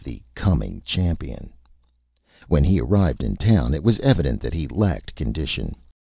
[Illustration: THE COMING CHAMPION] When he arrived in Town it was evident that he lacked Condition.